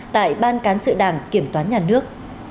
tại ban cán sự đảng kiểm toán nhà nước